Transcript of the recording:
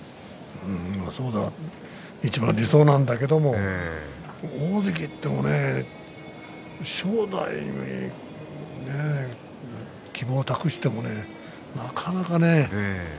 それがいちばん理想なんだけれど大関といってもね正代にね希望を託してもねなかなかね